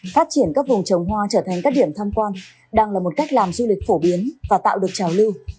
phát triển các vùng trồng hoa trở thành các điểm tham quan đang là một cách làm du lịch phổ biến và tạo được trào lưu